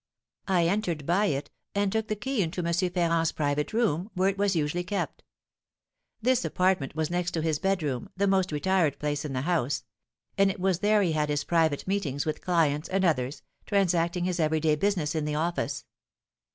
I entered by it, and took the key into M. Ferrand's private room, where it was usually kept. This apartment was next to his bedroom, the most retired place in the house; and it was there he had his private meetings with clients and others, transacting his every day business in the office.